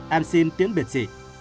em xin tiến biệt chị